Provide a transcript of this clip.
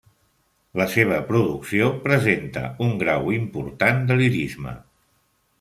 La seva producció presenta un grau important de lirisme.